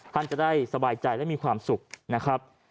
ท่านจะได้สบายใจและมีความสุขนะครับ